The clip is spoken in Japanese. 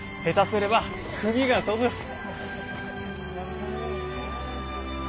下手すれば首が飛ぶ。